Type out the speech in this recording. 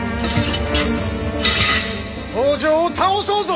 北条を倒そうぞ！